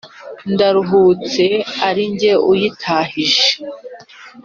ndaruhutse ari jye uyitahije.